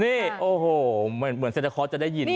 นี่โอ้โหเหมือนซีราคอร์จะได้ยิน